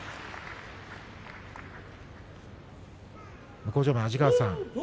向正面の安治川さん